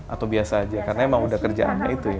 atau biasa aja karena emang udah kerjaannya itu ya